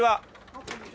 あっこんにちは。